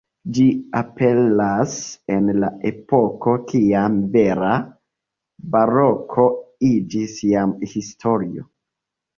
Ĝi aperas en le epoko, kiam vera baroko iĝis jam historio.